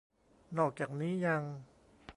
นอกจากนี้ยัง